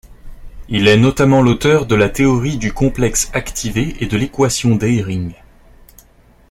Il est notamment l'auteur de la théorie du complexe activé et de l'équation d'Eyring.